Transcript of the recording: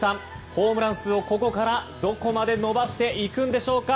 ホームラン数をここからどこまで伸ばしていくのでしょうか。